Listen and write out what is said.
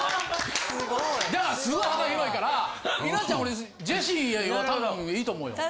だからすごい幅広いから稲ちゃん俺ジェシーはたぶんいいと思うよ。